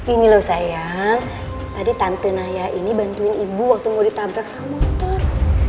ini loh sayang tadi tantun ayah ini bantuin ibu waktu mau ditabrak sama motor